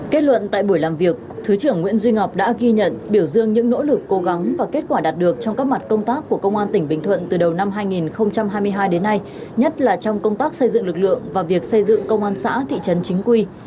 kết luận tại buổi làm việc thứ trưởng nguyễn duy ngọc đã ghi nhận biểu dương những nỗ lực cố gắng và kết quả đạt được trong các mặt công tác của công an tỉnh bình thuận từ đầu năm hai nghìn hai mươi hai đến nay nhất là trong công tác xây dựng lực lượng và việc xây dựng công an xã thị trấn chính quy